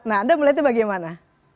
nah anda melihatnya bagaimana